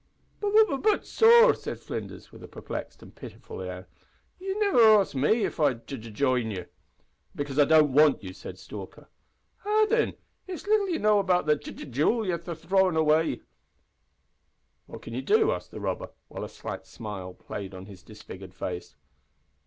"B b but, sor," said Flinders, with a perplexed and pitiful air. "Ye niver axed me if I'd j j jine ye." "Because I don't want you," said Stalker. "Ah! thin, it's little ye know th the j j jewel ye're th throwin' away." "What can you do?" asked the robber, while a slight smile played on his disfigured face.